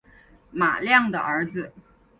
马亮的儿子